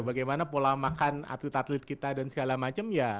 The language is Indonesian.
bagaimana pola makan atlet atlet kita dan segala macam ya